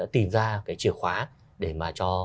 tìm ra cái chìa khóa để mà cho